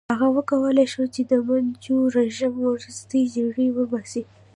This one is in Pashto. هغه وکولای شو چې د منچو رژیم ورستۍ جرړې وباسي.